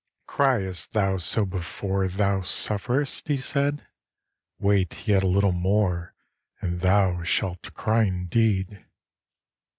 'Cryest thou so before Thou sufferest?' he said; 'Wait yet a little more And thou shalt cry indeed.